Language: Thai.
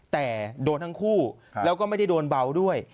แต่โดนทั้งคู่แล้วก็ไม่ได้โดนเบาด้วย